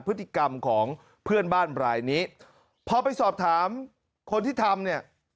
พฤติกรรมของเพื่อนบ้านรายนี้พอไปสอบถามคนที่ทำเนี่ย